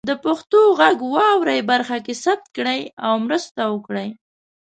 د پښتو غږ واورئ برخه کې ثبت کړئ او مرسته وکړئ.